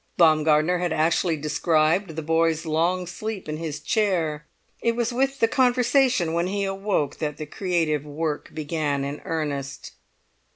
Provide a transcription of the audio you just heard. Baumgartner had actually described the boy's long sleep in his chair; it was with the conversation when he awoke that the creative work began in earnest.